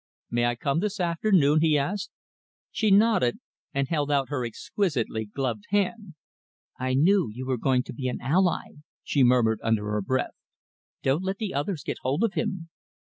"May I come this afternoon?" he asked. She nodded, and held out her exquisitely gloved hand. "I knew you were going to be an ally," she murmured under her breath. "Don't let the others get hold of him."